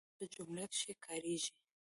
عبارت په جمله کښي کاریږي.